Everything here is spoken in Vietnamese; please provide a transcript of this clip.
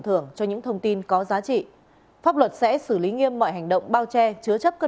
thưởng cho những thông tin có giá trị pháp luật sẽ xử lý nghiêm mọi hành động bao che chứa chấp các